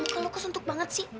muka lu kesentuk banget sih